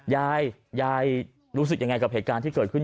ยายยายรู้สึกยังไงกับเหตุการณ์ที่เกิดขึ้น